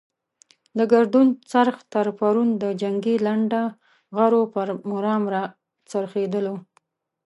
د ګردون څرخ تر پرون د جنګي لنډه غرو پر مرام را څرخېدلو.